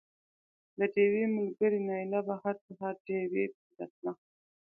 د ډېوې ملګرې نايله به هر سهار ډېوې پسې راتله